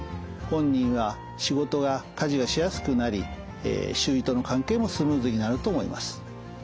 本人は仕事や家事がしやすくなり周囲との関係もスムーズになると思います。